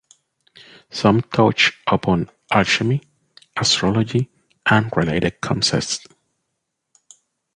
Some touch upon alchemy, astrology, and related concepts.